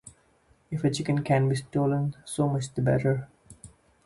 If a chicken can be stolen, so much the better.